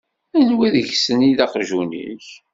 Anwa deg-sen i d aqjun-ik?